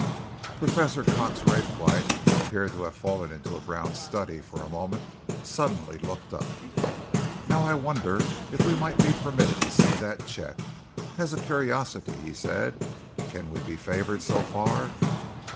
Professor Cox Raythwaite, who appeared to have fallen into a brown study for a moment, suddenly looked up. "Now I wonder if we might be permitted to see that cheque as a curiosity?" he said. "Can we be favoured so far?"